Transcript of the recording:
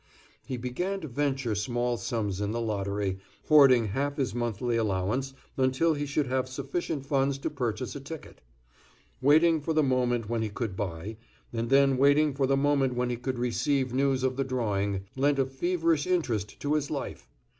He began to venture small sums in the lottery, hoarding half his monthly allowance until he should have sufficient funds to purchase a ticket. Waiting for the moment when he could buy, and then waiting for the moment when he could receive news of the drawing, lent a feverish interest to his life.